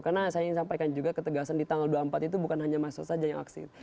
karena saya ingin sampaikan juga ketegasan di tanggal dua puluh empat itu bukan hanya mahasiswa saja yang aksi